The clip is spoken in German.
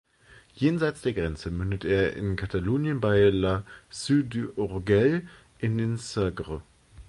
Jenseits der Grenze mündet er in Katalonien bei La Seu d’Urgell in den Segre.